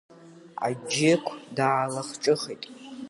Аџьықә даалахҿыххеит.